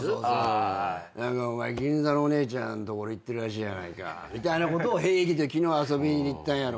「お前銀座のお姉ちゃんの所行ってるらしいやないか」みたいなことを平気で「昨日遊びに行ったんやろ」